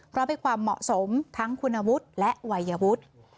เพราะเป็นความเหมาะสมทั้งคุณวุฒิและวัยวุฒิ